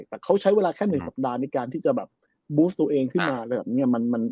แต่เขาใช้เวลาแค่๑สัปดาห์ในการที่จะบูฟตัวเองขึ้นมา